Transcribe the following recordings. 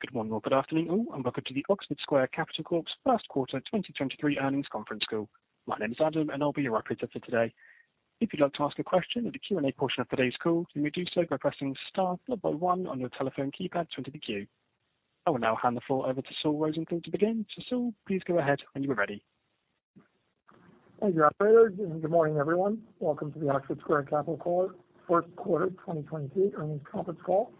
Good morning or good afternoon all, welcome to the Oxford Square Capital Corp.'s First Quarter 2023 earnings conference call. My name is Adam, I'll be your operator for today. If you'd like to ask a question in the Q&A portion of today's call, you may do so by pressing star one on your telephone keypad to enter the queue. I will now hand the floor over to Saul Rosenthal to begin. Saul, please go ahead when you are ready. Thank you, operator. Good morning, everyone. Welcome to the Oxford Square Capital Corp First Quarter 2023 Earnings Conference Call.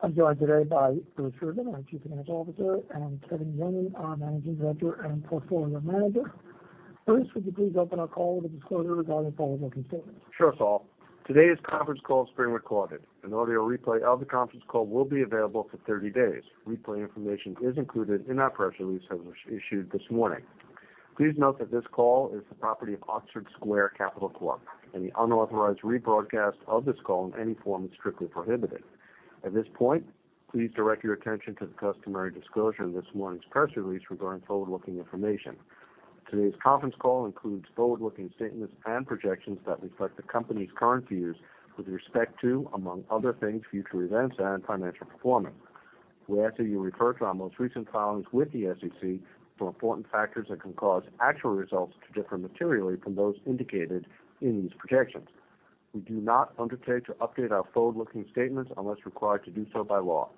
I'm joined today by Bruce Rubin, our Chief Financial Officer, and Kevin Yonon, our Managing Director and Portfolio Manager. Bruce, would you please open our call with a disclosure regarding forward-looking statements? Sure, Saul. Today's conference call is being recorded. An audio replay of the conference call will be available for 30 days. Replay information is included in our press release that was issued this morning. Please note that this call is the property of Oxford Square Capital Corp., and the unauthorized rebroadcast of this call in any form is strictly prohibited. At this point, please direct your attention to the customary disclosure in this morning's press release regarding forward-looking information. Today's conference call includes forward-looking statements and projections that reflect the company's current views with respect to, among other things, future events and financial performance. We ask that you refer to our most recent filings with the SEC for important factors that can cause actual results to differ materially from those indicated in these projections. We do not undertake to update our forward-looking statements unless required to do so by law.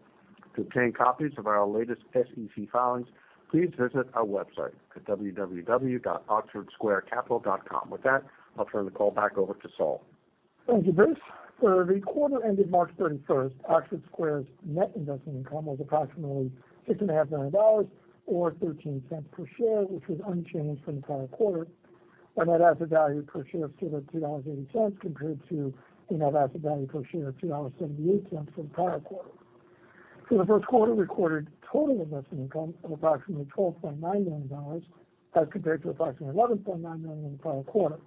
To obtain copies of our latest SEC filings, please visit our website at www.oxfordsquarecapital.com. With that, I'll turn the call back over to Saul. Thank you, Bruce. For the quarter ended March 31st, Oxford Square's net investment income was approximately six and a half million dollars or $0.13 per share, which was unchanged from the prior quarter. Our net asset value per share stood at $2.80 compared to the net asset value per share of $2.78 for the prior quarter. For the first quarter, we recorded total investment income of approximately $12.9 million as compared to approximately $11.9 million in the prior quarter.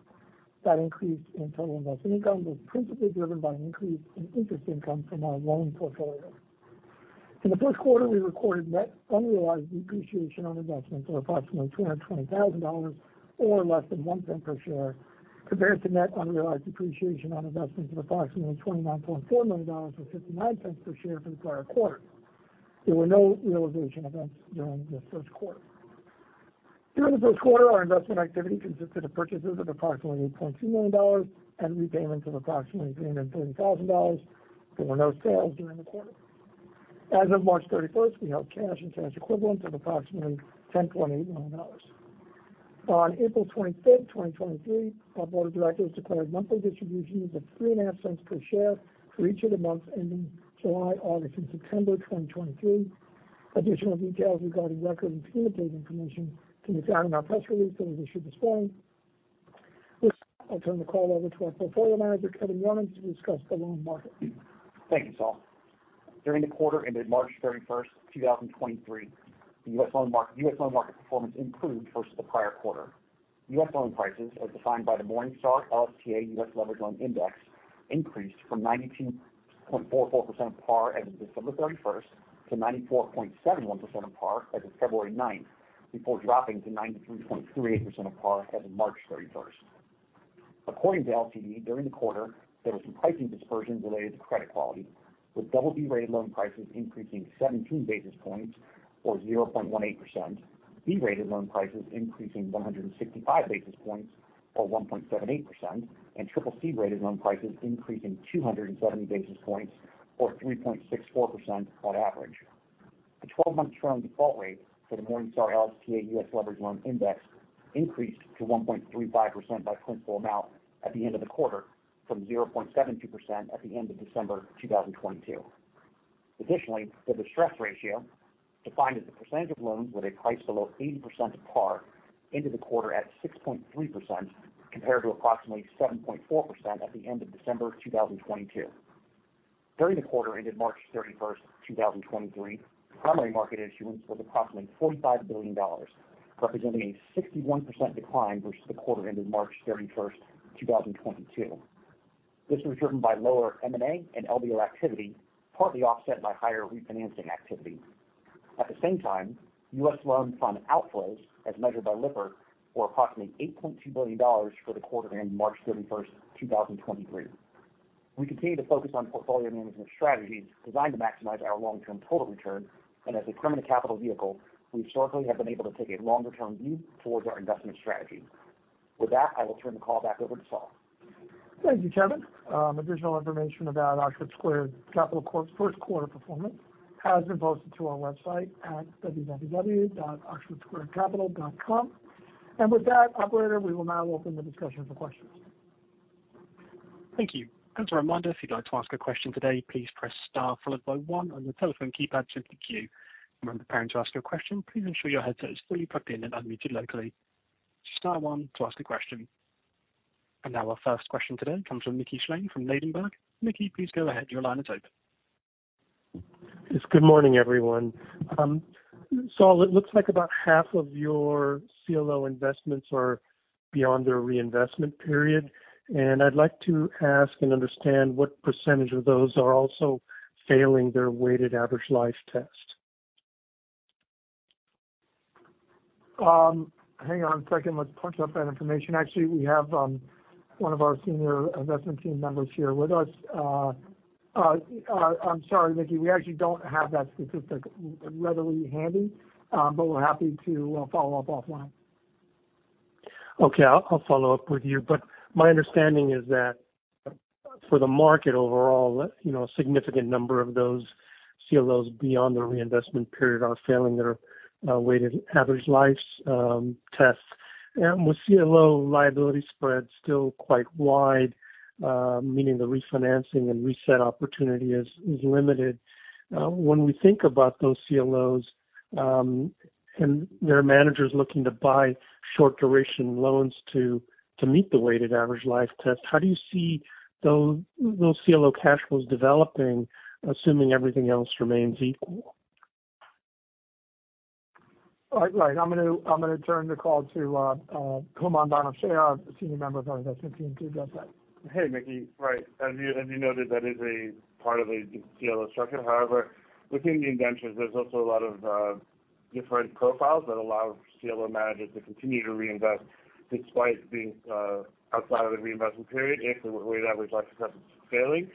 That increase in total investment income was principally driven by an increase in interest income from our loan portfolio. In the first quarter, we recorded net unrealized depreciation on investments of approximately $220,000 or less than $0.01 per share, compared to net unrealized depreciation on investments of approximately $29.4 million or 0.59 per share for the prior quarter. There were no realization events during this first quarter. During the first quarter, our investment activity consisted of purchases of approximately $8.2 million and repayments of approximately $330,000. There were no sales during the quarter. As of March 31st, we held cash and cash equivalents of approximately $10.8 million. On April 25, 2023, our board of directors declared monthly distributions of $0.035 per share for each of the months ending July, August, and September 2023. Additional details regarding record and payment date information can be found in our press release that was issued this morning. With that, I'll turn the call over to our Portfolio Manager, Kevin Yonon, to discuss the loan market. Thank you, Saul. During the quarter ended March 31, 2023, the U.S. loan market performance improved versus the prior quarter. U.S. loan prices, as defined by the Morningstar LSTA US Leveraged Loan Index, increased from 92.44% of par as of December 31st to 94.71% of par as of February 9th, before dropping to 93.38% of par as of March 31. According to LCD, during the quarter, there was some pricing dispersion related to credit quality, with double B-rated loan prices increasing 17 basis points or 0.18%, B-rated loan prices increasing 165 basis points or 1.78%, and triple C-rated loan prices increasing 270 basis points or 3.64% on average. The 12-month term default rate for the Morningstar LSTA US Leveraged Loan Index increased to 1.35% by principal amount at the end of the quarter from 0.70% at the end of December 2022. Additionally, for the stress ratio, defined as the percentage of loans with a price below 80% of par into the quarter at 6.3% compared to approximately 7.4% at the end of December 2022. During the quarter ended March 31, 2023, primary market issuance was approximately $45 billion, representing a 61% decline versus the quarter ended March 31st, 2022. This was driven by lower M&A and LBO activity, partly offset by higher refinancing activity. At the same time, U.S. loan fund outflows, as measured by Lipper, were approximately $8.2 billion for the quarter ending March 31st, 2023. We continue to focus on portfolio management strategies designed to maximize our long-term total return. As a permanent capital vehicle, we certainly have been able to take a longer-term view towards our investment strategy. With that, I will turn the call back over to Saul. Thank you, Kevin. Additional information about Oxford Square Capital Corp's first quarter performance has been posted to our website at www.oxfordsquarecapital.com. With that, operator, we will now open the discussion for questions. Thank you. As a reminder, if you'd like to ask a question today, please press star followed by one on your telephone keypad to enter the queue. Remember, preparing to ask your question, please ensure your headset is fully plugged in and unmuted locally. Star one to ask a question. Now our first question today comes from Mickey Schleien from Ladenburg. Mickey, please go ahead. Your line is open. Yes, good morning, everyone. Saul, it looks like about half of your CLO investments are beyond their reinvestment period, and I'd like to ask and understand what percentage of those are also failing their weighted average life test? Hang on a second. Let's punch up that information. Actually, we have one of our senior investment team members here with us. I'm sorry, Mickey, we actually don't have that statistic readily handy, but we're happy to follow up offline. I'll follow up with you. My understanding is that for the market overall, you know, a significant number of those CLOs beyond the reinvestment period are failing their weighted average life's tests. With CLO liability spread still quite wide, meaning the refinancing and reset opportunity is limited. When we think about those CLOs and their managers looking to buy short duration loans to meet the weighted average life test, how do you see those CLO cash flows developing assuming everything else remains equal? All right. I'm gonna turn the call to Hooman Banafsheha, a senior member of our investment team to address that. Hey, Mickey. Right. As you noted, that is a part of a CLO structure. Within the indentures there's also a lot of different profiles that allow CLO managers to continue to reinvest despite being outside of the reinvestment period if the weighted average life test is failing.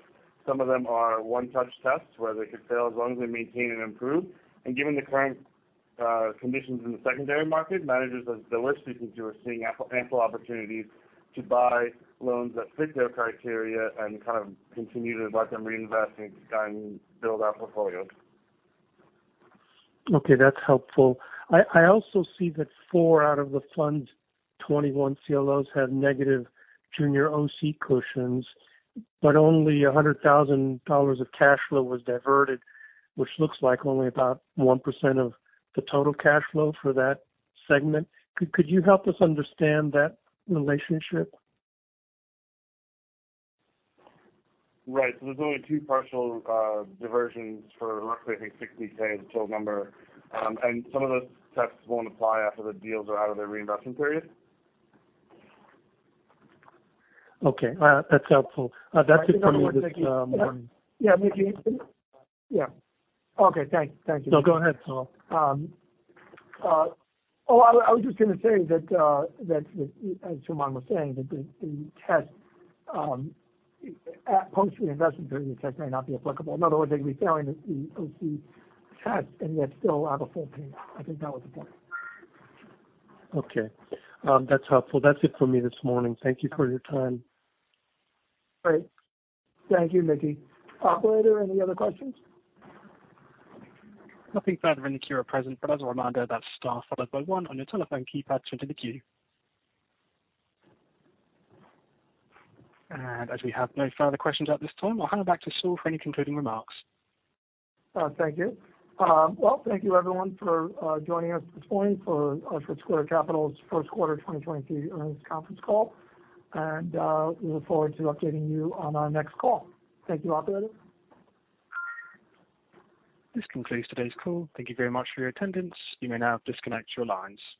Some of them are one touch tests where they could fail as long as they maintain and improve. Given the current conditions in the secondary market, managers are diligently pursuing or seeing ample opportunities to buy loans that fit their criteria and kind of continue to let them reinvest and build out portfolios. Okay, that's helpful. I also see that four out of the fund, 21 CLOs have negative junior OC cushions, but only $100,000 of cash flow was diverted, which looks like only about 1% of the total cash flow for that segment. Could you help us understand that relationship? Right. There's only two partial diversions for roughly, I think, 60 days until number. Some of those tests won't apply after the deals are out of their reinvestment period. Okay. That's helpful. That's it for me this, Yeah, Mickey. Yeah. thank you. No, go ahead, Saul. I was just gonna say that as Hooman was saying that the test post reinvestment period test may not be applicable. In other words, they'd be failing the OC test and yet still have a full payoff. I think that was the point. That's helpful. That's it for me this morning. Thank you for your time. Great. Thank you, Mickey. Operator, any other questions? Nothing further in the queue at present. As a reminder, that's star followed by one on your telephone keypad to enter the queue. As we have no further questions at this time, I'll hand it back to Saul for any concluding remarks. Thank you. Well, thank you everyone for joining us this morning for Oxford Square Capital's first quarter 2023 earnings conference call. We look forward to updating you on our next call. Thank you, operator. This concludes today's call. Thank you very much for your attendance. You may now disconnect your lines.